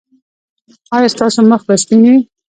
ایا ستاسو مخ به سپین وي؟